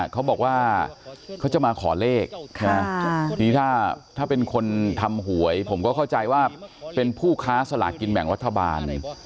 เขาบอกว่าเขาจะมาขอเลขนี้ถ้าเป็นคนทำหวยผมก็เข้าใจว่าเป็นผู้ค้าสลากินแบ่งรัฐบาล